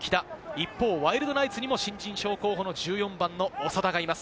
一方、ワイルドナイツにも新人賞候補の１４番の長田がいます。